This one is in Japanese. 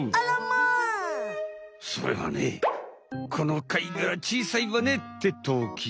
それはね「この貝がら小さいわね」ってとき。